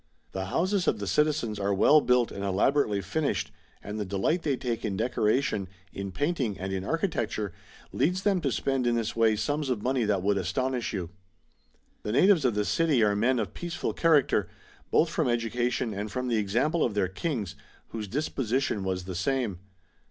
The houses of the citizens are well built and elaborately finished ; and the delight they take in decoration, in painting and in architecture, leads them to spend in this way sums of money that would astonish you. The natives of the city are men of peaceful character, both from education and from the example of their kings, whose disposition was the same.